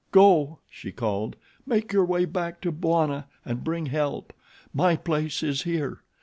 "Go!" she called. "Make your way back to Bwana and bring help. My place is here.